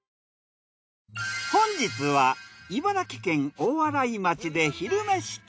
本日は茨城県大洗町で「昼めし旅」。